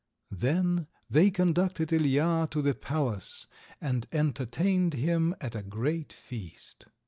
Then they conducted Ilija to the palace, and entertained him at a great feast.